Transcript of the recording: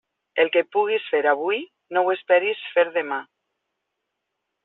El que puguis fer avui no ho esperis fer demà.